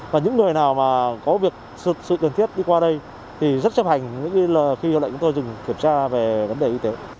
và những người nào mà có việc sự cần thiết đi qua đây thì rất chấp hành khi điều này chúng tôi dừng kiểm tra về vấn đề y tế